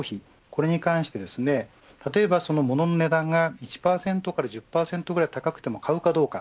これに関してモノの値段が１％から１０％ぐらい高くても買うかどうか。